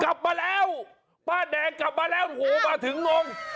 กลับมาแล้วป้าแดงกลับมาแล้วโอ้โหมาถึงงง